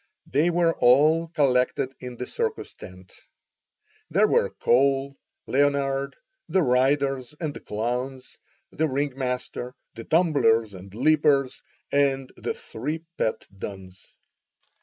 They were all collected in the circus tent. There were Cole, Leonard, the riders and the clowns, the ringmaster, the tumblers and leapers, and the three pet duns.